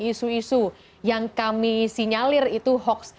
isu isu yang kami sinyalir itu hoax